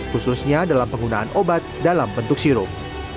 khususnya dalam penggunaan obat dalam bentuk sirup